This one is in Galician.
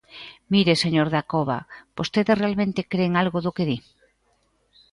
Mire, señor Dacova, ¿vostede realmente cre en algo do que di?